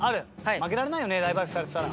負けられないよねライバル視されてたら。